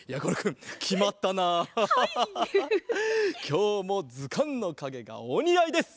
きょうもずかんのかげがおにあいです！